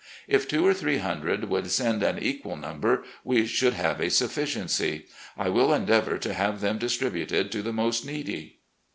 If two or three hundred would send an equal number, we should have a sufficiency. I will endeavour to have them distributed to the most needy.